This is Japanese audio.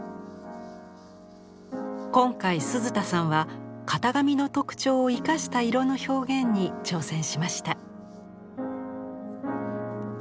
今回鈴田さんは型紙の特徴を生かした色の表現に挑戦しました。